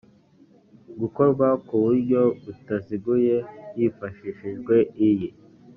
gukorwa ku buryo butaziguye hifashishijwe iyi